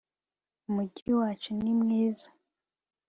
Umujyi wacu ni mwiza